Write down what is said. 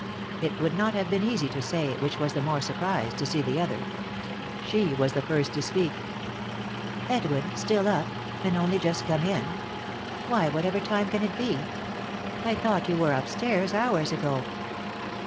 It would not have been easy to say which was the more surprised to see the other. She was the first to speak. "Edwin— still up— and only just come in I Why, whatever time can it be ? I thought you were upstairs hours ago."